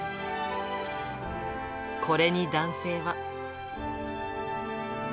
これに男性は。